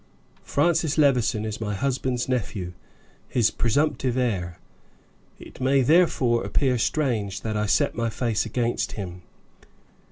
Francis Levison is my husband's nephew, his presumptive heir; it may, therefore, appear strange that I set my face against him.